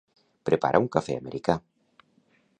Prepara un cafè americà.